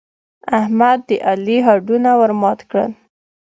احمد د علي هډونه ور مات کړل.